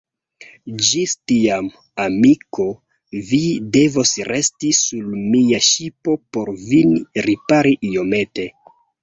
Ĝis tiam, amiko, vi devos resti sur mia ŝipo por vin ripari iomete.